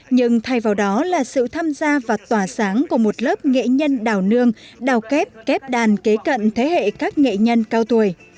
nhưng thay vào đó là sự tham gia và tỏa sáng của một lớp nghệ nhân đào nương đào kép kép đàn kế cận thế hệ các nghệ nhân cao tuổi